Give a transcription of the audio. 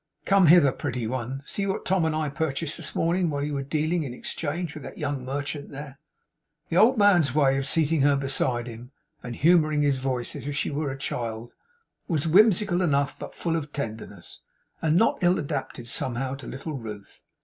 Come hither, pretty one. See what Tom and I purchased this morning, while you were dealing in exchange with that young merchant there.' The old man's way of seating her beside him, and humouring his voice as if she were a child, was whimsical enough, but full of tenderness, and not ill adapted, somehow, to little Ruth.